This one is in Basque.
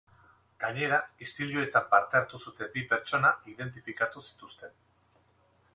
Gainera, istiluetan parte hartu zuten bi pertsona identifikatu zituzten.